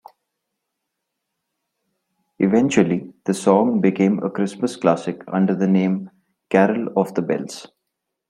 Eventually the song became a Christmas classic under the name "Carol of the Bells".